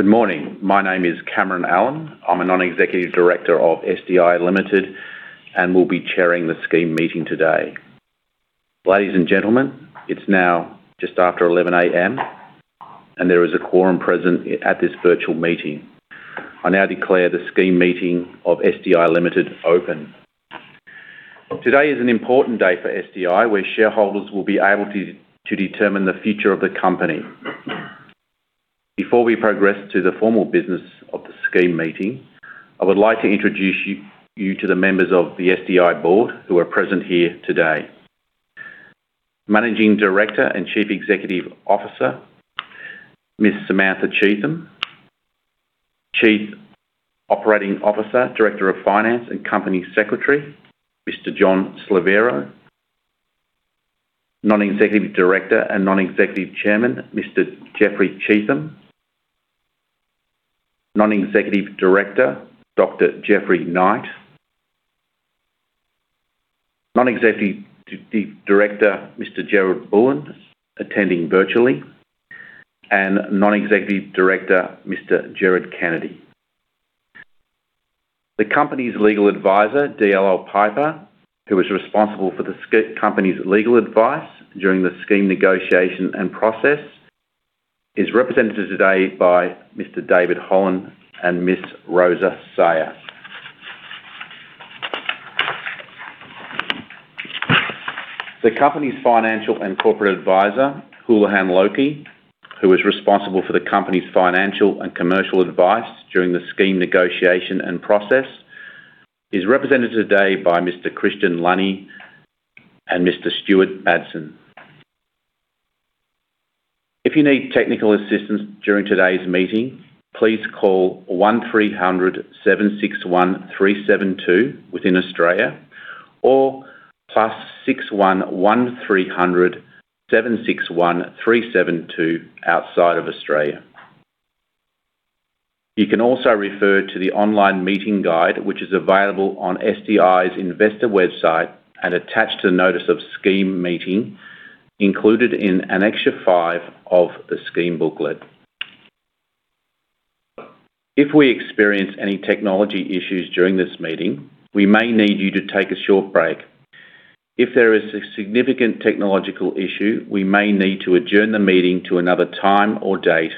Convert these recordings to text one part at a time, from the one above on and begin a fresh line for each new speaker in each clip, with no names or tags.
Good morning. My name is Cameron Allen. I am a Non-Executive Director of SDI Limited and will be Chairing the Scheme meeting today. Ladies and gentlemen, it is now just after 11:00 A.M. and there is a quorum present at this virtual meeting. I now declare the Scheme meeting of SDI Limited open. Today is an important day for SDI, where shareholders will be able to determine the future of the company. Before we progress to the formal business of the Scheme meeting, I would like to introduce you to the members of the SDI Board who are present here today. Managing Director and Chief Executive Officer, Ms. Samantha Cheetham. Chief Operating Officer, Director of Finance, and Company Secretary, Mr. John Slaviero. Non-Executive Director and Non-Executive Chairman, Mr. Jeffery Cheetham. Non-Executive Director, Dr. Geoffrey Knight. Non-Executive Director, Mr. Gerald Bullon, attending virtually. And Non-Executive Director, Mr. Gerard Kennedy. The company's legal advisor, DLA Piper, who is responsible for the company's legal advice during the Scheme negotiation and process, is represented today by Mr. David Holland and Ms. Rosa Sayer. The company's financial and corporate advisor, Houlihan Lokey, who is responsible for the company's financial and commercial advice during the Scheme negotiation and process, is represented today by Mr. Christian Lunny and Mr. Stuart Madsen. If you need technical assistance during today's meeting, please call 1300 761 372 within Australia or +61 1300 761 372 outside of Australia. You can also refer to the online meeting guide, which is available on SDI's investor website and attached to the Notice of Scheme meeting included in Annexure five of the Scheme booklet. If we experience any technology issues during this meeting, we may need you to take a short break. If there is a significant technological issue, we may need to adjourn the meeting to another time or date,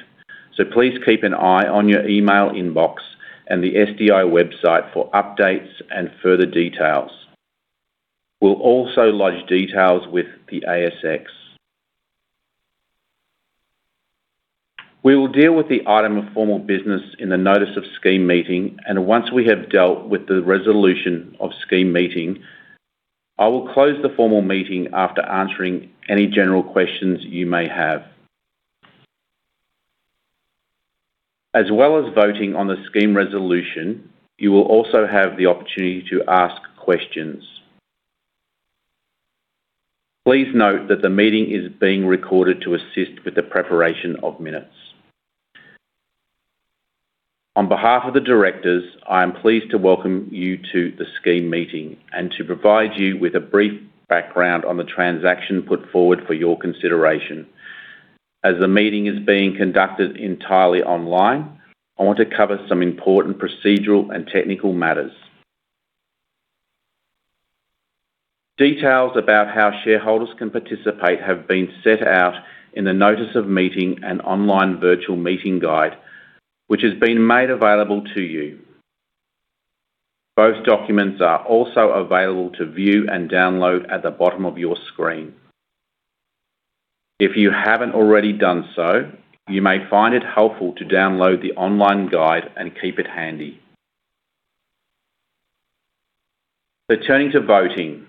so please keep an eye on your email inbox and the SDI website for updates and further details. We will also lodge details with the ASX. We will deal with the item of formal business in the Notice of Scheme meeting. Once we have dealt with the resolution of Scheme meeting, I will close the formal meeting after answering any general questions you may have. As well as voting on the Scheme resolution, you will also have the opportunity to ask questions. Please note that the meeting is being recorded to assist with the preparation of minutes. On behalf of the Directors, I am pleased to welcome you to the Scheme meeting and to provide you with a brief background on the transaction put forward for your consideration. As the meeting is being conducted entirely online, I want to cover some important procedural and technical matters. Details about how shareholders can participate have been set out in the notice of meeting and online virtual meeting guide, which has been made available to you. Both documents are also available to view and download at the bottom of your screen. If you haven't already done so, you may find it helpful to download the online guide and keep it handy. Turning to voting.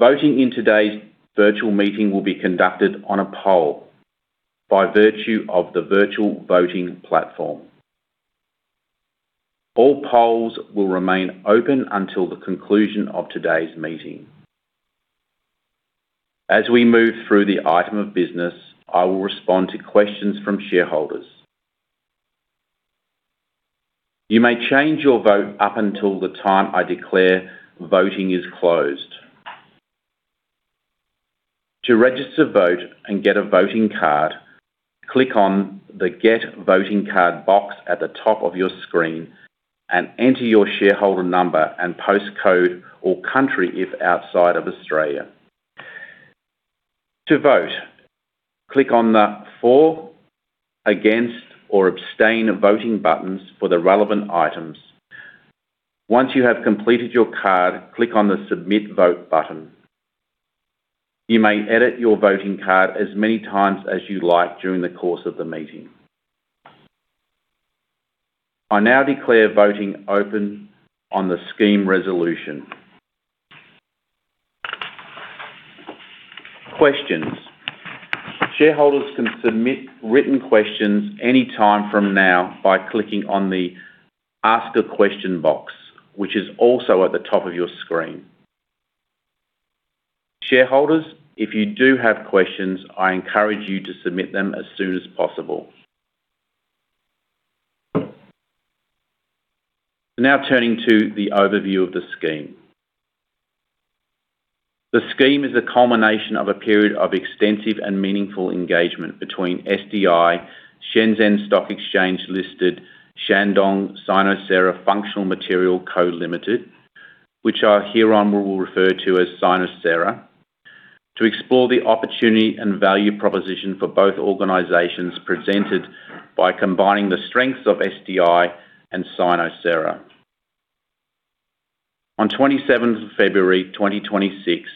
Voting in today's virtual meeting will be conducted on a poll by virtue of the virtual voting platform. All polls will remain open until the conclusion of today's meeting. As we move through the item of business, I will respond to questions from shareholders. You may change your vote up until the time I declare voting is closed. To register vote and get a voting card, click on the Get Voting Card box at the top of your screen and enter your shareholder number and postcode or country if outside of Australia. To vote, click on the For, Against, or Abstain voting buttons for the relevant items. Once you have completed your card, click on the Submit Vote button. You may edit your voting card as many times as you like during the course of the meeting. I now declare voting open on the Scheme resolution. Questions. Shareholders can submit written questions any time from now by clicking on the Ask a Question box, which is also at the top of your screen. Shareholders, if you do have questions, I encourage you to submit them as soon as possible. Now turning to the overview of the Scheme. The Scheme is a culmination of a period of extensive and meaningful engagement between SDI, Shenzhen Stock Exchange-listed Shandong Sinocera Functional Material Co., Ltd., which are herein we will refer to as Sinocera, to explore the opportunity and value proposition for both organizations presented by combining the strengths of SDI and Sinocera. On 27th of February 2026,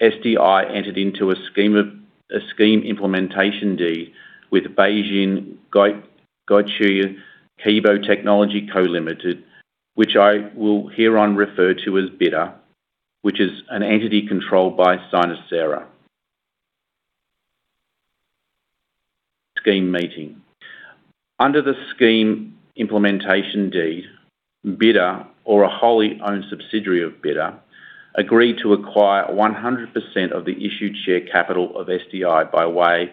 SDI entered into a Scheme Implementation Deed with Beijing Guoci Kebo Technology Co., Ltd., which I will herein refer to as Bidder, which is an entity controlled by Sinocera. Scheme meeting. Under the Scheme Implementation Deed, Bidder or a wholly owned subsidiary of Bidder agreed to acquire 100% of the issued share capital of SDI by way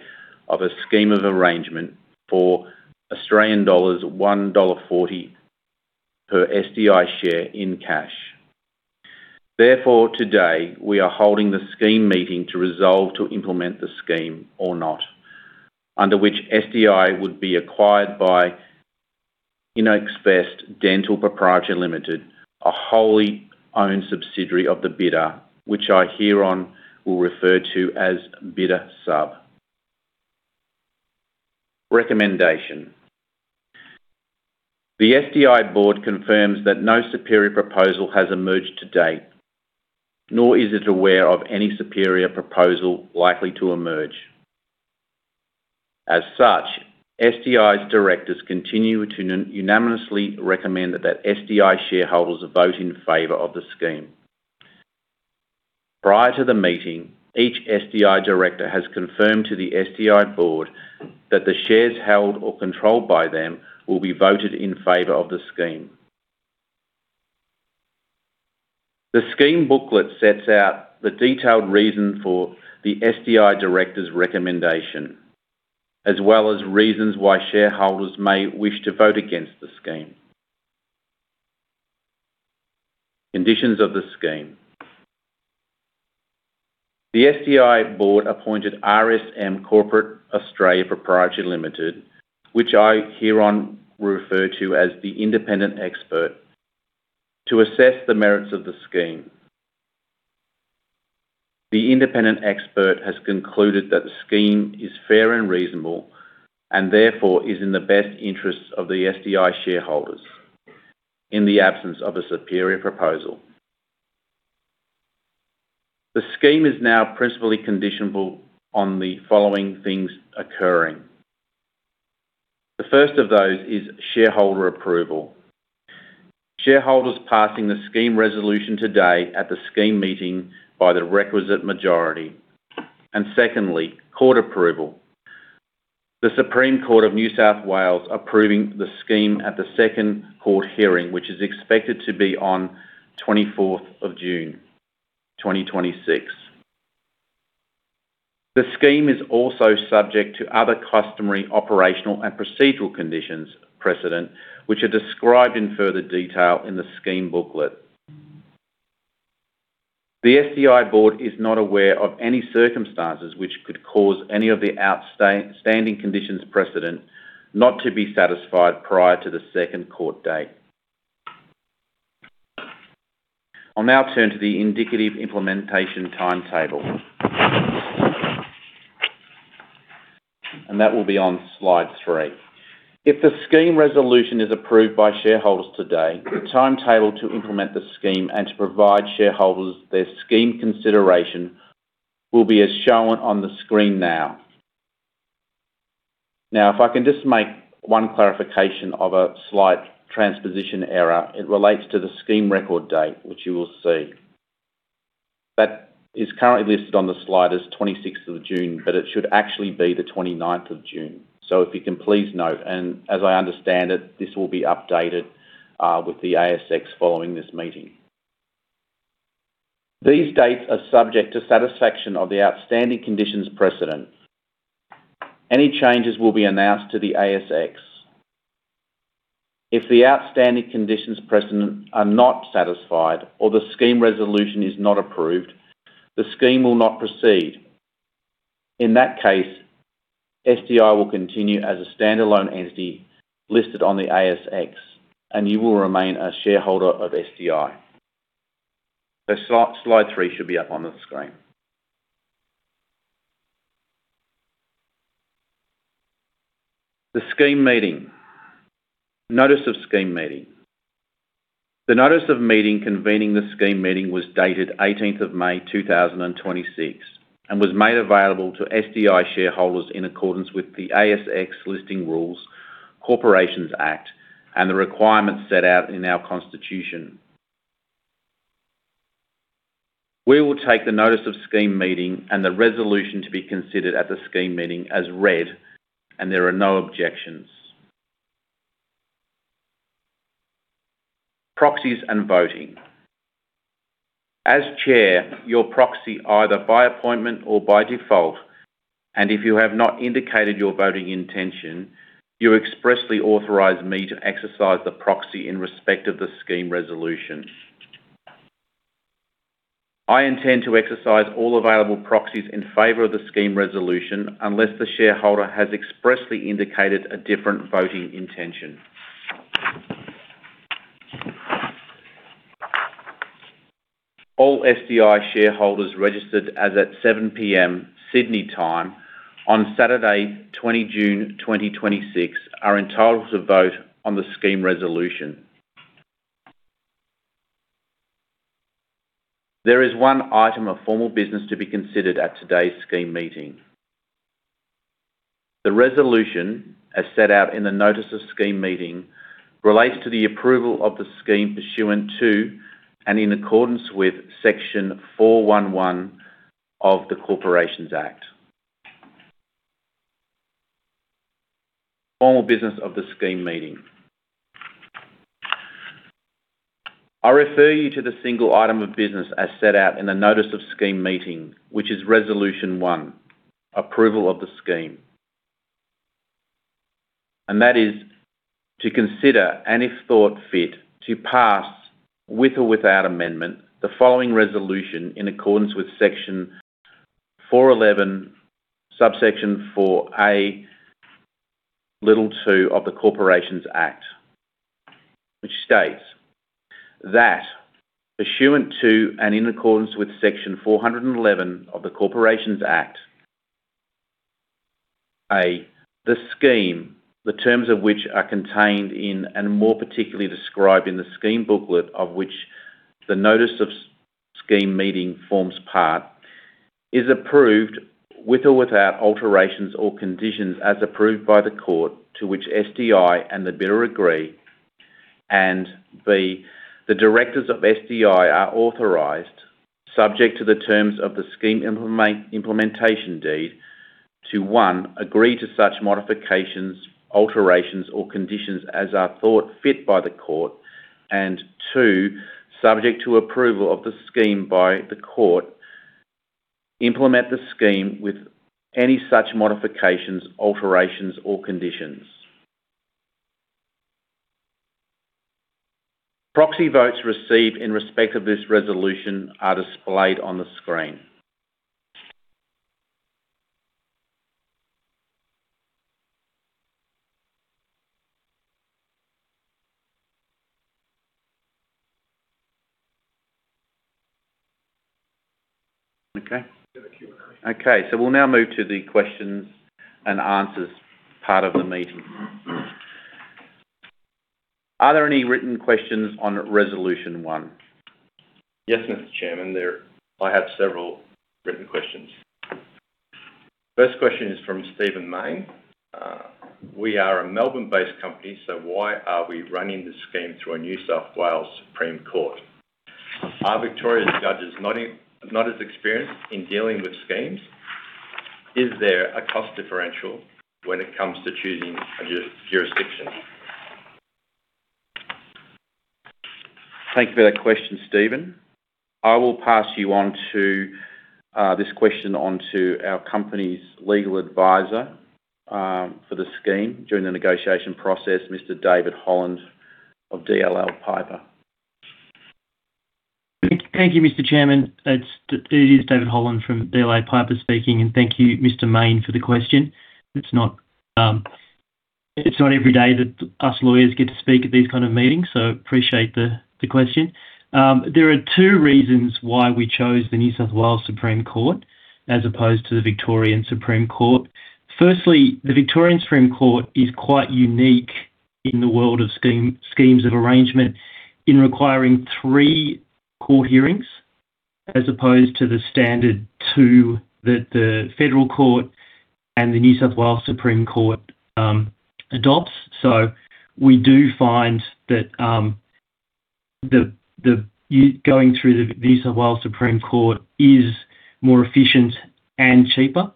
of a Scheme of arrangement for Australian dollars 1.40 per SDI share in cash. Today we are holding the Scheme meeting to resolve to implement the Scheme or not, under which SDI would be acquired by InnoXvest Dental Pty Ltd, a wholly owned subsidiary of the Bidder, which I herein will refer to as Bidder Sub Recommendation. The SDI Board confirms that no superior proposal has emerged to date, nor is it aware of any superior proposal likely to emerge. As such, SDI's Directors continue to unanimously recommend that SDI shareholders vote in favor of the Scheme. Prior to the meeting, each SDI Director has confirmed to the SDI Board that the shares held or controlled by them will be voted in favor of the Scheme. The Scheme booklet sets out the detailed reason for the SDI Director's recommendation, as well as reasons why shareholders may wish to vote against the Scheme. Conditions of the Scheme. The SDI Board appointed RSM Corporate Australia Pty Ltd, which I herein will refer to as the independent expert, to assess the merits of the Scheme. The independent expert has concluded that the Scheme is fair and reasonable therefore is in the best interests of the SDI shareholders in the absence of a superior proposal. The Scheme is now principally conditionable on the following things occurring. The first of those is shareholder approval. Shareholders passing the Scheme resolution today at the Scheme meeting by the requisite majority. Secondly, court approval. The Supreme Court of New South Wales approving the Scheme at the second court hearing, which is expected to be on 24th of June 2026. The Scheme is also subject to other customary operational and procedural conditions precedent, which are described in further detail in the Scheme booklet. The SDI Board is not aware of any circumstances which could cause any of the outstanding conditions precedent not to be satisfied prior to the second court date. I'll now turn to the indicative implementation timetable. That will be on slide three. If the Scheme resolution is approved by shareholders today, the timetable to implement the Scheme and to provide shareholders their Scheme consideration will be as shown on the screen now. If I can just make one clarification of a slight transposition error. It relates to the Scheme record date, which you will see. That is currently listed on the slide as 26th of June, but it should actually be the 29th of June. If you can please note, and as I understand it, this will be updated with the ASX following this meeting. These dates are subject to satisfaction of the outstanding conditions precedent. Any changes will be announced to the ASX. If the outstanding conditions precedent are not satisfied or the Scheme resolution is not approved, the Scheme will not proceed. In that case, SDI will continue as a standalone entity listed on the ASX, and you will remain a shareholder of SDI. Slide three should be up on the screen. The Scheme meeting. Notice of Scheme meeting. The notice of meeting convening the Scheme meeting was dated 18th of May 2026 and was made available to SDI shareholders in accordance with the ASX Listing Rules, Corporations Act, and the requirements set out in our Constitution. We will take the notice of Scheme meeting and the resolution to be considered at the Scheme meeting as read, and there are no objections. Proxies and voting. As Chair, your proxy, either by appointment or by default, and if you have not indicated your voting intention, you expressly authorize me to exercise the proxy in respect of the Scheme Resolution. I intend to exercise all available proxies in favor of the Scheme Resolution unless the shareholder has expressly indicated a different voting intention. All SDI shareholders registered as at 7:00 P.M. Sydney time on Saturday, 20 June 2026, are entitled to vote on the Scheme Resolution. There is one item of formal business to be considered at today's Scheme Meeting. The resolution, as set out in the notice of Scheme Meeting, relates to the approval of the Scheme pursuant to and in accordance with Section 411 of the Corporations Act. Formal business of the Scheme Meeting. I refer you to the single item of business as set out in the notice of Scheme Meeting, which is Resolution One, approval of the Scheme. That is to consider, and if thought fit, to pass, with or without amendment, the following resolution in accordance with Section 411, subsection 4A, little two of the Corporations Act, which states that pursuant to and in accordance with Section 411 of the Corporations Act, A, the Scheme, the terms of which are contained in, and more particularly described in the Scheme booklet of which the Notice of Scheme Meeting forms part, is approved with or without alterations or conditions as approved by the court to which SDI and the Bidder agree. B, the Directors of SDI are authorized, subject to the terms of the Scheme Implementation Deed, to, one, agree to such modifications, alterations or conditions as are thought fit by the court and, two, subject to approval of the Scheme by the court, implement the Scheme with any such modifications, alterations or conditions. Proxy votes received in respect of this resolution are displayed on the screen. Okay.
We have a Q&A.
Okay, we'll now move to the questions and answers part of the meeting. Are there any written questions on Resolution One?
Yes, Mr. Chairman. I have several written questions. First question is from Stephen Mayne. We are a Melbourne-based company, why are we running the Scheme through a New South Wales Supreme Court? Are Victoria's judges not as experienced in dealing with Schemes? Is there a cost differential when it comes to choosing a jurisdiction?
Thank you for that question, Stephen. I will pass this question on to our company's legal advisor for the Scheme during the negotiation process, Mr. David Holland of DLA Piper.
Thank you, Mr. Chairman. It is David Holland from DLA Piper speaking, and thank you, Mr. Mayne, for the question. It's not every day that us lawyers get to speak at these kind of meetings, appreciate the question. There are two reasons why we chose the Supreme Court of New South Wales as opposed to the Supreme Court of Victoria. Firstly, the Supreme Court of Victoria is quite unique in the world of Schemes of arrangement in requiring three court hearings, as opposed to the standard two that the Federal Court and the Supreme Court of New South Wales adopts. We do find that going through the Supreme Court of New South Wales is more efficient and cheaper.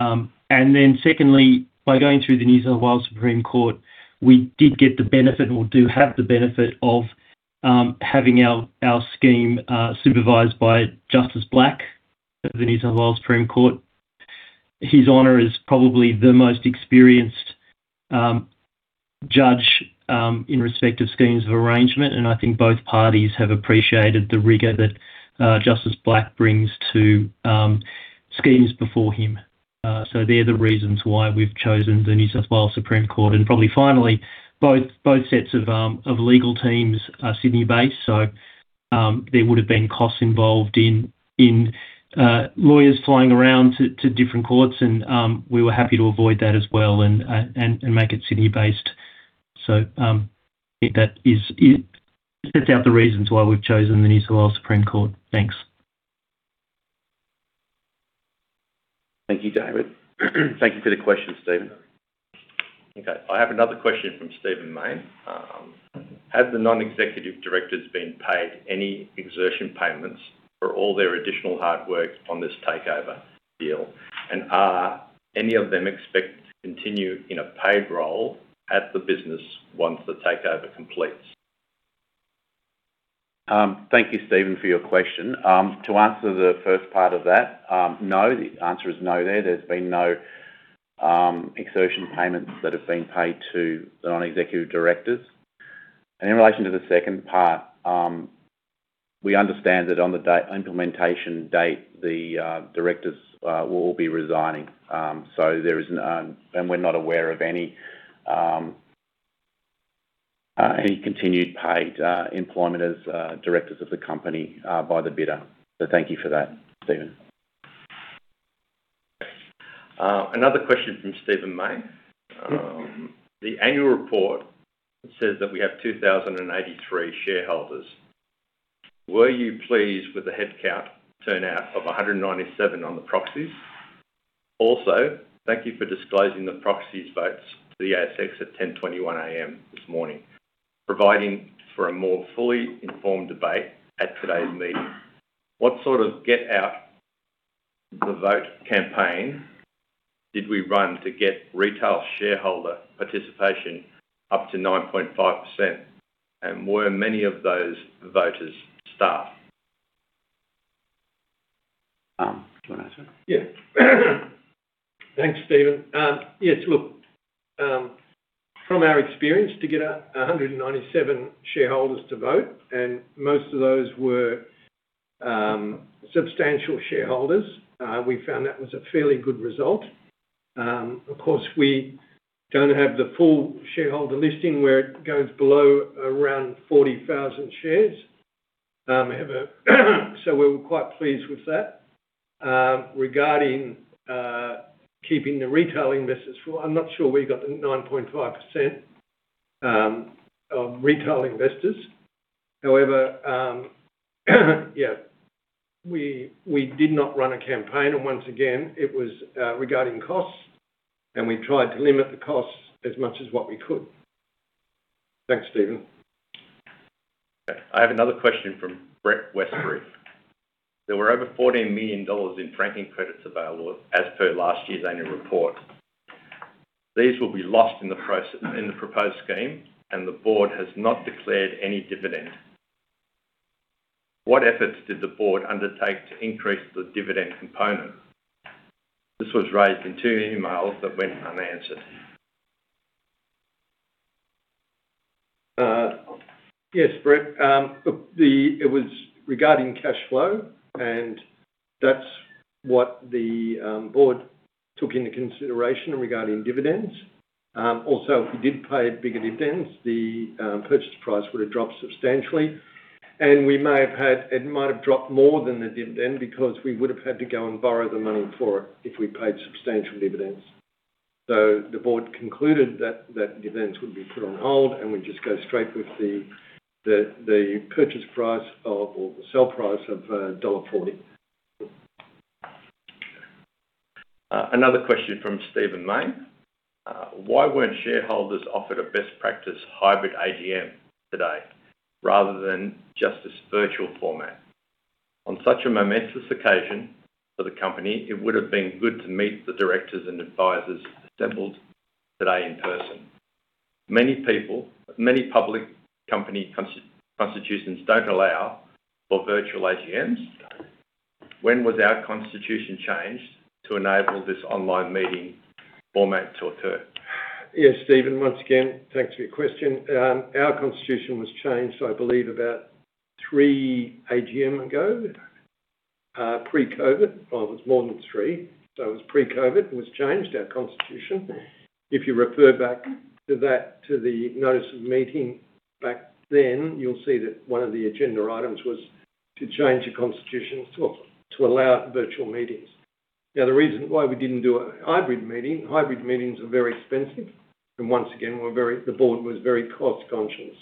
Secondly, by going through the Supreme Court of New South Wales, we did get the benefit or do have the benefit of having our Scheme supervised by Justice Black of the Supreme Court of New South Wales. His Honor is probably the most experienced judge in respect of Schemes of arrangement, and I think both parties have appreciated the rigor that Justice Black brings to Schemes before him. They're the reasons why we've chosen the Supreme Court of New South Wales. Probably finally, both sets of legal teams are Sydney based, there would have been costs involved in lawyers flying around to different courts, and we were happy to avoid that as well and make it Sydney based. That sets out the reasons why we've chosen the Supreme Court of New South Wales. Thanks.
Thank you, David. Thank you for the question, Stephen.
Okay, I have another question from Stephen Mayne. Have the Non-Executive Directors been paid any exertion payments for all their additional hard work on this takeover deal? Are any of them expected to continue in a paid role at the business once the takeover completes? Thank you, Stephen, for your question. To answer the first part of that, no. The answer is no there. There's been no exertion payments that have been paid to the Non-Executive Directors. In relation to the second part, we understand that on the implementation date, the Directors will all be resigning. We're not aware of any continued paid employment as Directors of the company by the Bidder. Thank you for that, Stephen. Another question from Stephen Mayne. The annual report says that we have 2,083 shareholders. Were you pleased with the headcount turnout of 197 on the proxies? Thank you for disclosing the proxies votes to the ASX at 10:21 A.M. this morning, providing for a more fully informed debate at today's meeting. What sort of get out the vote campaign did we run to get retail shareholder participation up to 9.5%? Were many of those voters staff? Do you want to answer?
Thanks, Stephen. From our experience, to get 197 shareholders to vote, most of those were substantial shareholders, we found that was a fairly good result. Of course, we don't have the full shareholder listing where it goes below around 40,000 shares. We were quite pleased with that. Regarding keeping the retail investors, I'm not sure we got the 9.5% of retail investors. However, we did not run a campaign, once again, it was regarding costs, and we tried to limit the costs as much as what we could. Thanks, Stephen.
I have another question from [Brett Westbury]. There were over 14 million dollars in franking credits available as per last year's annual report. These will be lost in the proposed Scheme, the Board has not declared any dividend. What efforts did the Board undertake to increase the dividend component? This was raised in two emails that went unanswered.
Yes, Brett. It was regarding cash flow, and that is what the board took into consideration regarding dividends. Also, if we did pay bigger dividends, the purchase price would have dropped substantially, and it might have dropped more than the dividend because we would have had to go and borrow the money for it if we paid substantial dividends. The Board concluded that dividends would be put on hold, and we would just go straight with the purchase price or the sell price of dollar 1.40.
Another question from Stephen Mayne. Why weren't shareholders offered a best practice hybrid AGM today rather than just this virtual format? On such a momentous occasion for the company, it would have been good to meet the directors and advisors assembled today in person. Many public company constitutions do not allow for virtual AGMs. When was our constitution changed to enable this online meeting format to occur?
Yes, Stephen. Once again, thanks for your question. Our constitution was changed, I believe, about three AGMs ago, pre-COVID. Well, it was more than three. It was pre-COVID it was changed, our constitution. If you refer back to the notice of meeting back then, you will see that one of the agenda items was to change the constitution to allow virtual meetings. Now, the reason why we did not do a hybrid meeting, hybrid meetings are very expensive. Once again, the Board was very cost-conscious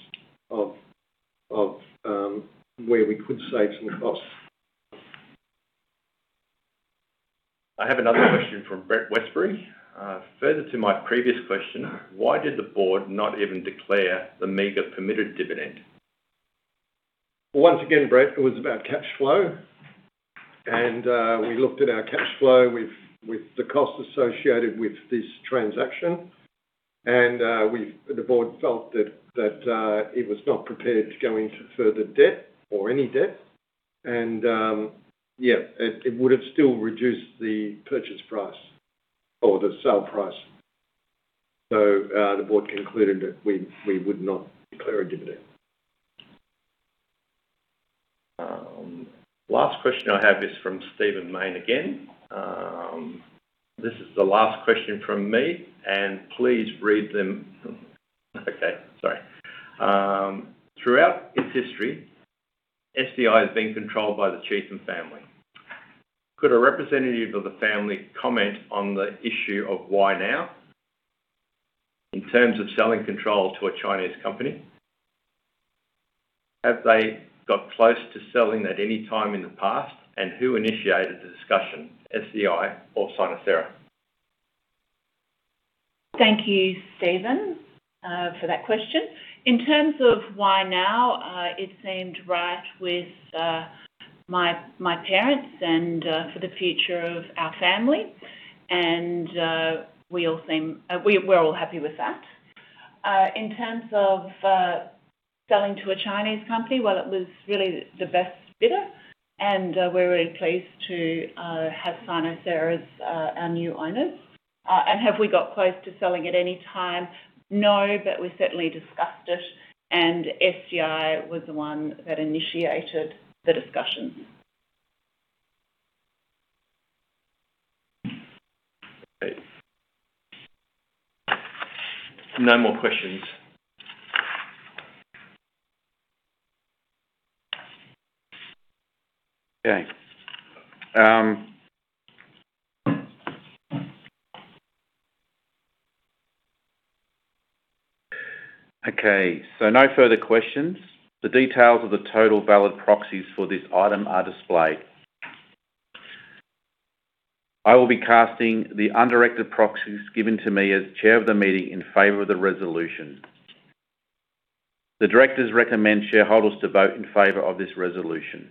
of where we could save some costs.
I have another question from Brett Westbury. Further to my previous question, why did the Board not even declare the meager permitted dividend?
Once again, Brett, it was about cash flow. We looked at our cash flow with the cost associated with this transaction. The Board felt that it was not prepared to go into further debt or any debt. It would have still reduced the purchase price or the sale price. The Board concluded that we would not declare a dividend.
Last question I have is from Stephen Mayne again. This is the last question from me, and please read them. Okay, sorry. Throughout its history, SDI has been controlled by the Cheetham family. Could a representative of the family comment on the issue of why now, in terms of selling control to a Chinese company? Have they got close to selling at any time in the past, and who initiated the discussion, SDI or Sinocera?
Thank you, Stephen, for that question. In terms of why now, it seemed right with my parents and for the future of our family. We're all happy with that. In terms of selling to a Chinese company, well, it was really the best bidder, and we're really pleased to have Sinocera as our new owners. Have we got close to selling at any time? No, but we certainly discussed it, and SDI was the one that initiated the discussions.
No more questions.
Okay. No further questions. The details of the total valid proxies for this item are displayed. I will be casting the undirected proxies given to me as Chair of the meeting in favor of the resolution. The Directors recommend shareholders to vote in favor of this resolution.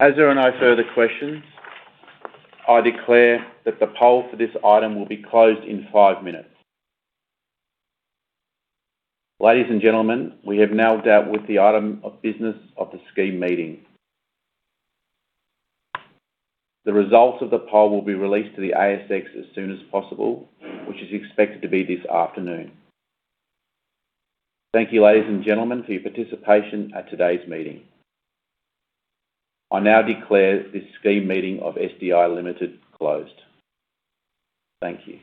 As there are no further questions, I declare that the poll for this item will be closed in five minutes. Ladies and gentlemen, we have now dealt with the item of business of the Scheme Meeting. The results of the poll will be released to the ASX as soon as possible, which is expected to be this afternoon. Thank you, ladies and gentlemen, for your participation at today's meeting. I now declare this Scheme Meeting of SDI Limited closed. Thank you.